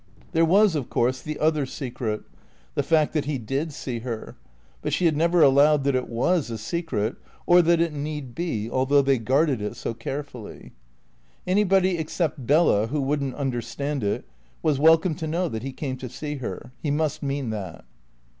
There was, of course, the other secret, the fact that he did see her; but she had never allowed that it was a secret, or that it need be, although they guarded it so carefully. Anybody except Bella, who wouldn't understand it, was welcome to know that he came to see her. He must mean that.